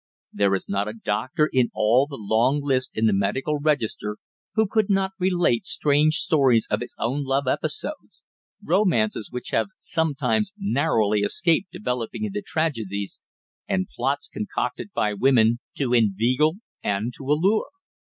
There is not a doctor in all the long list in the medical register who could not relate strange stories of his own love episodes romances which have sometimes narrowly escaped developing into tragedies, and plots concocted by women to inveigle and to allure.